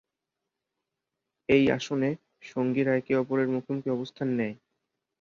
এই আসনে, সঙ্গীরা একে অপরের মুখোমুখি অবস্থান নেয়।